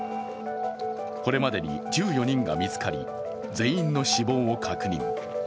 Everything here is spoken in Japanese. これまでに１４人が見つかり、全員の死亡を確認。